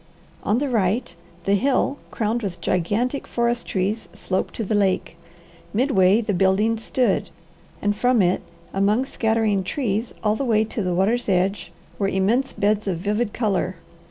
On the right, the hill, crowned with gigantic forest trees, sloped to the lake; midway the building stood, and from it, among scattering trees all the way to the water's edge, were immense beds of vivid colour.